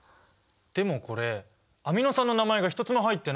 でもこれアミノ酸の名前が一つも入ってない！